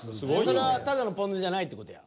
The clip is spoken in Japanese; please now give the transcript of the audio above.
それはただのポン酢じゃないって事や。